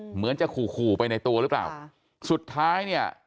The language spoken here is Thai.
เหมือนจะขู่ขู่ไปในตัวหรือเปล่าสุดท้ายเนี่ย